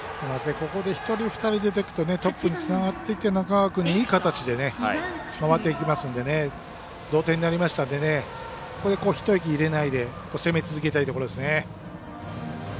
ここで１人、２人、出ていくとトップにつながっていって中川君にいい形で回っていきますので同点になりましたんでここで一息入れないで攻め続けたいところですね。